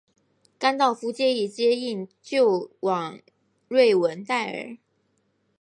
甘道夫建议接应救往瑞文戴尔。